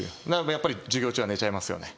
やっぱり授業中は寝ちゃいますよね。